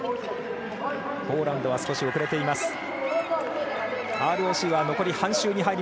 ポーランドは少し遅れています。